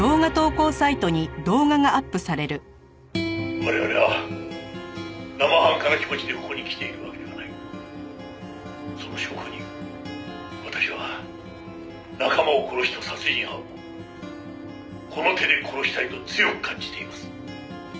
「我々は生半可な気持ちでここに来ているわけではない」「その証拠に私は仲間を殺した殺人犯をこの手で殺したいと強く感じています」